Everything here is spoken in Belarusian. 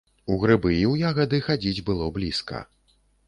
У грыбы і ў ягады хадзіць было блізка.